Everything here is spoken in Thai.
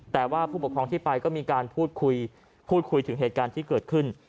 แต่ว่าผู้ปกครองที่ไปก็มีการพูดคุยพูดคุยถึงเหตุการณ์ที่เกิดขึ้น